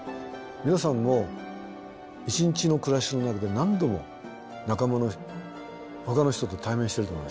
皆さんも一日の暮らしの中で何度も仲間のほかの人と対面してると思いますよ。